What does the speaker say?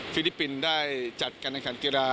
ฟิลิปปินส์ได้จัดการยังขันกีฬา